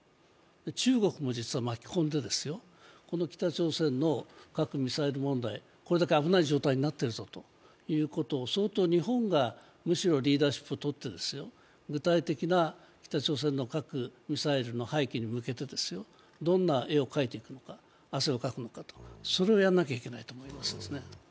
中国も巻き込んで、北朝鮮の核・ミサイル問題、これだけ危ない状態になっているぞということを、相当、日本がむしろリーダーシップをとって、具体的な北朝鮮の核ミサイルの廃棄に向けてどんな絵を描いていくのか汗をかくのか、それをやらないといけないと思いますね。